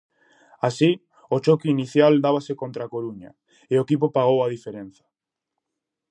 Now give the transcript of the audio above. Así, o choque inicial dábase contra A Coruña, e o equipo pagou a diferenza.